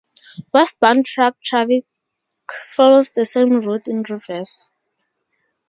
Westbound truck traffic follows the same route in reverse.